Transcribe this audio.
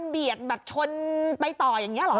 เบียดแบบชนไปต่ออย่างนี้เหรอ